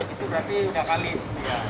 itu berarti udah kalis